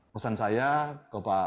pesan saya ke pak